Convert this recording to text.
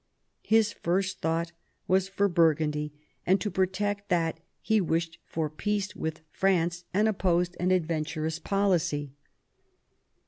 His first thought was for Burgundy, and to protect that he wished for peace with France and opposed an adventurous policy.